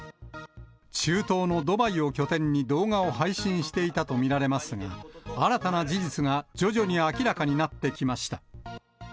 中東のドバイを拠点に、動画を配信していたと見られますが、新たな事実が徐々に明らかになってきました。